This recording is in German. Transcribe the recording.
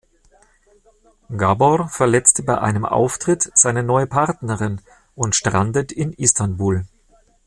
Gabor verletzt bei einem Auftritt seine neue Partnerin und strandet in Istanbul.